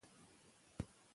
نظم او ترتیب چارې اسانه کوي.